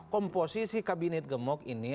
komposisi kabinet gemuk ini khawatir obesitas